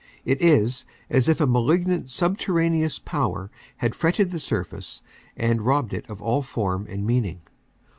It is as if a malignant subterraneous power had fretted the surface and robbed it of all form and meaning.